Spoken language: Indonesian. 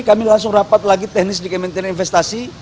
kami langsung rapat lagi teknis di kementerian investasi